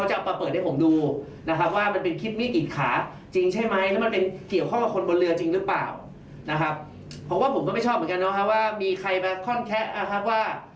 ไอ้น้องครับว่ามีใครมาค้อนแค้ว่า